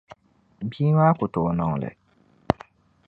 Bia maa ku tooi n niŋli.